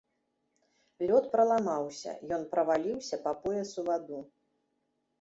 Лёд праламаўся, ён праваліўся па пояс у ваду.